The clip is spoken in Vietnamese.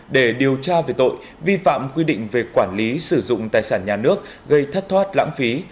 để điều tra về tội vi phạm quy định về quản lý sử dụng tài sản nhà nước gây thất thoát lãng phí